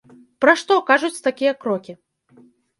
Пра што кажуць такія крокі?